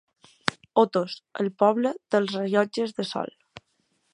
Otos, el poble dels rellotges de sol.